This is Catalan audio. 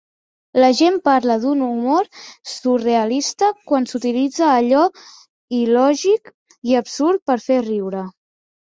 La gent parla d'un humor surrealista quan s'utilitza allò il·lògic i absurd per fer riure.